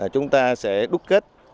chúng ta sẽ đúc kết